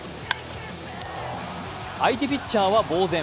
相手ピッチャーは呆然。